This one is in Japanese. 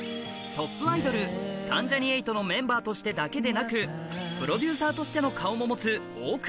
トップアイドル関ジャニ∞のメンバーとしてだけでなくプロデューサーとしての顔も持つ大倉